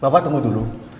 pak tunggu dulu